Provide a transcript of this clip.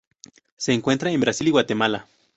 Se encuentra en Brasil y Guatemala.